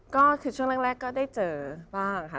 ก็คือช่วงแรกก็ได้เจอบ้างค่ะ